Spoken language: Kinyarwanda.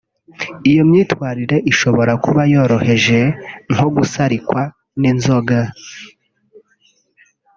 Iyo myitwarire ishobora kuba yoroheje nko gusarikwa n’inzoga